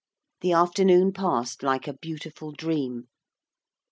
The afternoon passed like a beautiful dream.